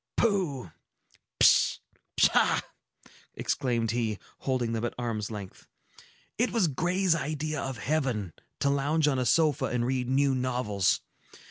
"Pooh! Pish! Pshaw!" exclaimed he, holding them at arm's length. "It was Gray's idea of heaven, to lounge on a sofa and read new novels.